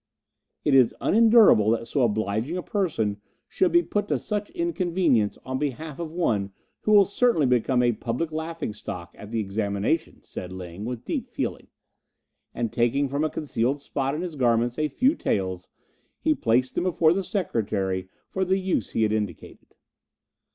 "It is unendurable that so obliging a person should be put to such inconvenience on behalf of one who will certainly become a public laughing stock at the examinations," said Ling, with deep feeling; and taking from a concealed spot in his garments a few taels, he placed them before the secretary for the use he had indicated.